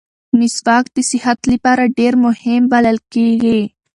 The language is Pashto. مسواک د صحت لپاره ډېر مهم بلل کېږي.